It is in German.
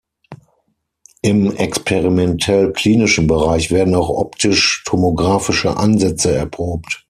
Im experimentell-klinischen Bereich werden auch optisch-tomographische Ansätze erprobt.